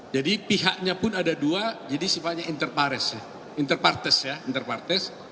jadi pihaknya pun ada dua jadi sifatnya interpartis ya interpartis